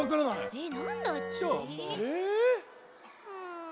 えっ！